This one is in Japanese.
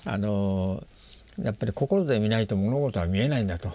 やっぱり心で見ないと物事は見えないんだと。